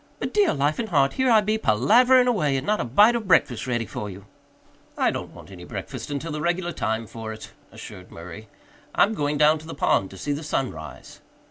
But dear life and heart! Here I be palavering away and not a bite of breakfast ready for you!" "I don't want any breakfast until the regular time for it," assured Murray. "I'm going down to the pond to see the sun rise."